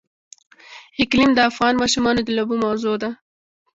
اقلیم د افغان ماشومانو د لوبو موضوع ده.